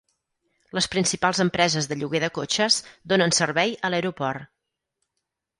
Les principals empreses de lloguer de cotxes donen servei a l'aeroport.